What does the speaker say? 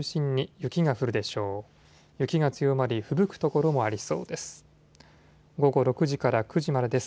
雪が強まりふぶく所もありそうです。